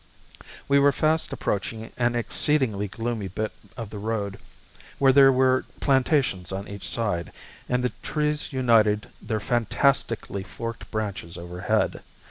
We were fast approaching an exceedingly gloomy bit of the road where there were plantations on each side, and the trees united their fantastically forked branches overhead.